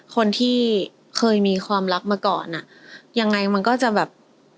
คนที่เคยมีความรักมาก่อนอ่ะยังไงมันก็จะแบบ